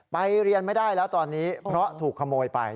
เรียนไม่ได้แล้วตอนนี้เพราะถูกขโมยไป